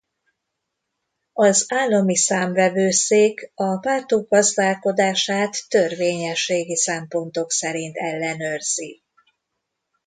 Az Állami Számvevőszék a pártok gazdálkodását törvényességi szempontok szerint ellenőrzi.